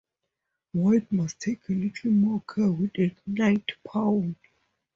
White must take a little more care with a knight pawn.